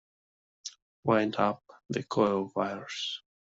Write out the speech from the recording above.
Wind up the coil of wires.